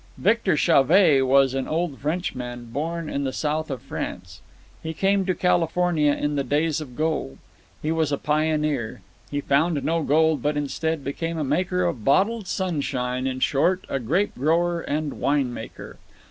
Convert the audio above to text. "Victor Chauvet was an old Frenchman—born in the south of France. He came to California in the days of gold. He was a pioneer. He found no gold, but, instead, became a maker of bottled sunshine—in short, a grape grower and wine maker.